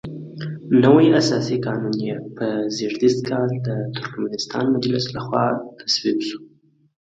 نوی اساسي قانون یې په زېږدیز کال د ترکمنستان مجلس لخوا تصویب شو.